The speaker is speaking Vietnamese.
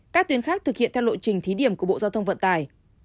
các tuyến khác thực hiện theo lộ trình thí điểm của bộ giao thông vận tải